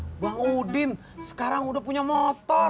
bang udin sekarang udah punya motor